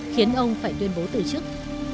khiến ông phải tuyên bố từ chức